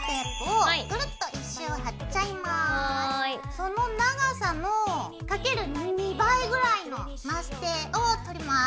その長さのかける２倍ぐらいのマステを取ります。